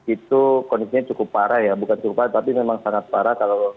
itu kondisinya cukup parah ya bukan cukup parah tapi memang sangat parah